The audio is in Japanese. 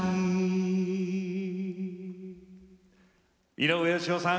井上芳雄さん